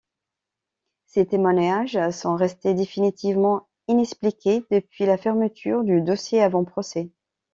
Ces témoignages sont restés définitivement inexpliqués depuis la fermeture du dossier avant procès.